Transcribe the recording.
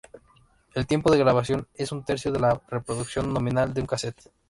El tiempo de grabación es un tercio de la reproducción nominal de un casete.